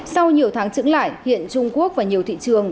sau nhiều tháng trứng lại hiện trung quốc và nhiều thị trường